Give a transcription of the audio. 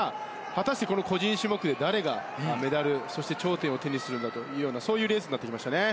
果たしてこの個人種目誰がメダル、頂点を手にするかというそういうレースになってきました。